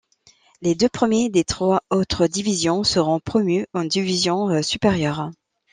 Les deux premiers des trois autres divisions seront promus en division supérieure.